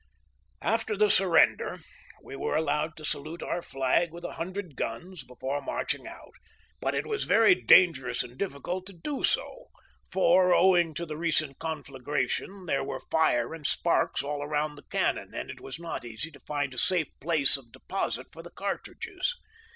After the surrender we were allowed to salute our flag with a hundred guns before marching out, but it was very dangerous and difficult to do so ; for, owing to the recent conflagration, there were fire and 'sparks all around the cannon, and it was not easy to find a safe place of deposit for the car tridges.